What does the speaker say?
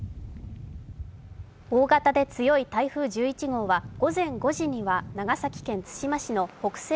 大型で強い台風１１号は、午前５時には長崎県対馬市の北西